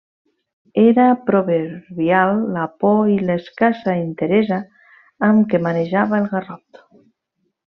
Era proverbial la por i l'escassa enteresa amb què manejava el garrot.